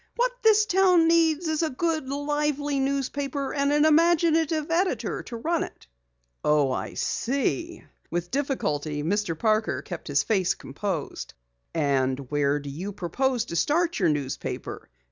"What this town needs is a good, live newspaper, and an imaginative editor to run it." "Oh, I see." With difficulty Mr. Parker kept his face composed. "And where do you propose to start your newspaper?